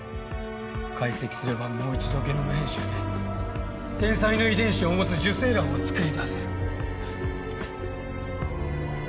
解析すればもう一度ゲノム編集で天才の遺伝子を持つ受精卵をつくり出せる。